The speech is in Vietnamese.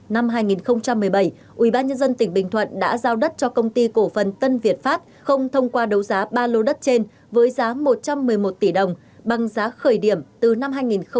năm hai nghìn một mươi bảy ubnd tỉnh bình thuận đã giao đất cho công ty cổ phần tân việt pháp không thông qua đấu giá ba lô đất trên với giá một trăm một mươi một tỷ đồng bằng giá khởi điểm từ năm hai nghìn một mươi bảy